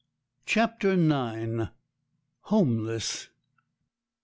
CHAPTER IX. HOMELESS.